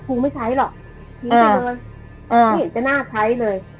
ไม่ใช้หรอกทิ้งไปเลยไม่เห็นจะน่าใช้เลย